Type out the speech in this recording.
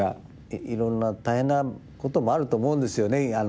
いろんな大変なこともあると思うんですよね